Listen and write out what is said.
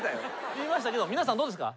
言いましたけど皆さんどうですか？